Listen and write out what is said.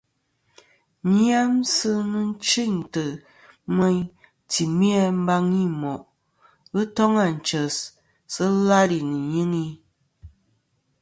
Nyamsɨ nɨ̂n chintɨ meyn timi a mbaŋi i moʼ. Ghɨ toŋ ànchès, sɨ làlì nɨ̀ ìnyɨŋi.